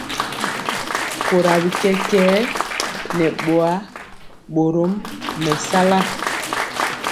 Kora bi kɛkɛɛ nɛ boa, borom mɛsala.